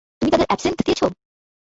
তুমি তাদের অ্যাবসিন্থ দিয়েছ?